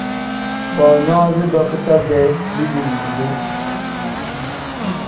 Boonyoozi lakuta-dee dibimbide.